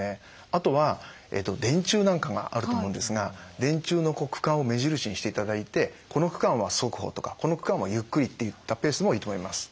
あとは電柱なんかがあると思うんですが電柱の区間を目印にしていただいてこの区間は速歩とかこの区間はゆっくりといったペースもいいと思います。